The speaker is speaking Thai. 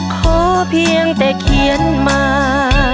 ขอเพียงแต่เขียนมา